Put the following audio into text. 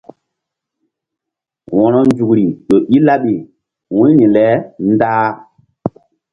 Wo̧ronzukri ƴo i laɓi wu̧yri le ndah.